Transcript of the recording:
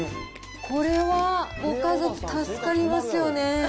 これはご家族助かりますよね。